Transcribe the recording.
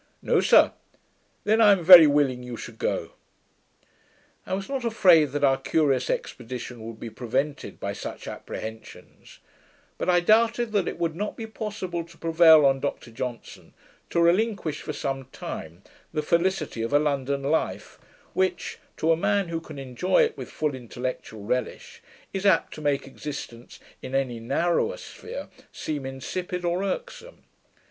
'No, sir.' 'Then I am very willing you should go.' I was not afraid that our curious expedition would be prevented by such apprehensions; but I doubted that it would not be possible to prevail on Dr Johnson to relinquish, for some time, the felicity of a London life, which, to a man who can enjoy it with full intellectual relish, is apt to make existence in any narrower sphere seem insipid or irksome.